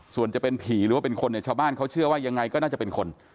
ส่วนจะเป็นผีหรือว่าเป็นคนเนี่ยชาวบ้านเขาเชื่อว่ายังไงก็น่าจะเป็นคน